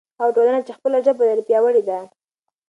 هغه ټولنه چې خپله ژبه لري پیاوړې ده.